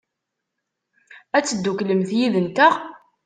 Ad tedduklemt yid-nteɣ?